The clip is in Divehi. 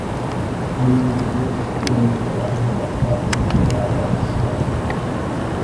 މިއީ ނުޖޫމީ ޢިލްމުގެ ވާހަކަ ދައްކާ މީހުން ކުރާ ބައެއް ސުވާލު